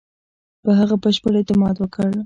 په هغه بشپړ اعتماد وکړ.